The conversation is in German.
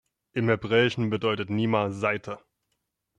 Im Hebräischen bedeutet Nima „Saite“.